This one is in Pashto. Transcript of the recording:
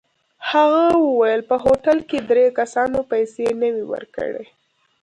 هغه وویل په هوټل کې درې کسانو پیسې نه وې ورکړې.